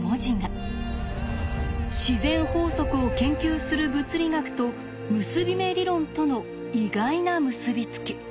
自然法則を研究する物理学と結び目理論との意外な結び付き。